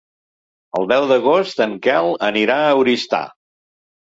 El deu d'agost en Quel anirà a Oristà.